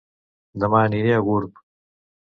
Dema aniré a Gurb